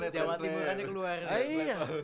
jawa timur aja keluar